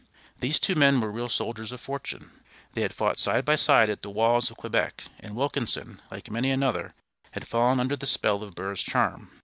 These two men were real soldiers of fortune. They had fought side by side at the walls of Quebec, and Wilkinson, like many another, had fallen under the spell of Burr's charm.